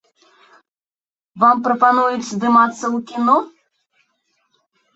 Вам прапануюць здымацца ў кіно?